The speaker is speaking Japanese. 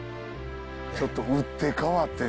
ちょっと打って変わってですね。